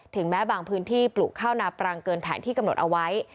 แม้บางพื้นที่ปลูกข้าวนาปรังเกินแผนที่กำหนดเอาไว้